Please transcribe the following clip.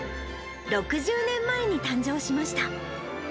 ６０年前に誕生しました。